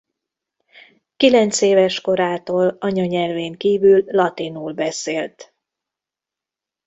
Kilencéves korától anyanyelvén kívül latinul beszélt.